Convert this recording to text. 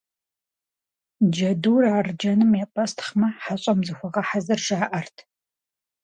Джэдур арджэным епӀэстхъмэ, хьэщӀэм зыхуэгъэхьэзыр жаӏэрт.